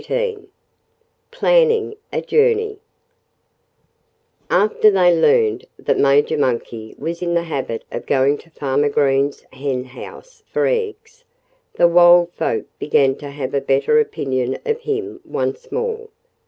XVIII Planning a Journey After they learned that Major Monkey was in the habit of going to Farmer Green's henhouse for eggs, the wild folk began to have a better opinion of him once more.